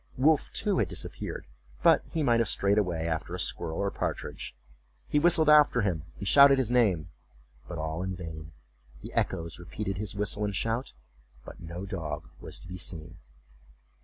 Wolf, too, had disappeared, but he might have strayed away after a squirrel or partridge. He whistled after him and shouted his name, but all in vain; the echoes repeated his whistle and shout, but no dog was to be seen.